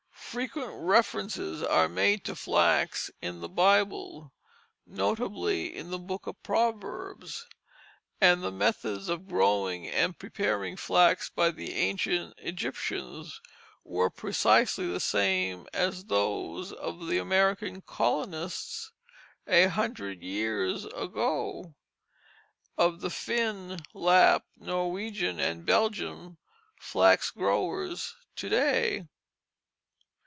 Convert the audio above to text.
Frequent references are made to flax in the Bible, notably in the Book of Proverbs; and the methods of growing and preparing flax by the ancient Egyptians were precisely the same as those of the American colonist a hundred years ago, of the Finn, Lapp, Norwegian, and Belgian flax growers to day.